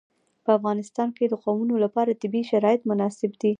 په افغانستان کې د قومونه لپاره طبیعي شرایط مناسب دي.